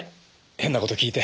変な事聞いて。